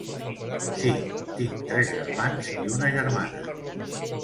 Sí, tinc tres germans i una germana.